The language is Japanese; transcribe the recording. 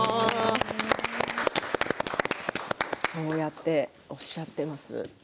そうやっておっしゃっています。